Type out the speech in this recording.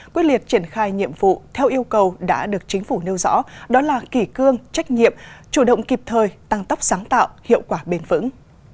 quyết liệt triển khai nhiệm vụ theo yêu cầu đã được chính phủ nêu rõ đó là kỷ cương trách nhiệm chủ động kịp thời tăng tốc sáng tạo hiệu quả bền vững